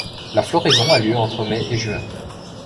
La floraison a lieu entre mai et juin.